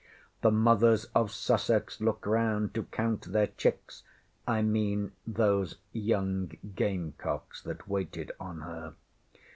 The mothers of Sussex look round to count their chicks I mean those young gamecocks that waited on her.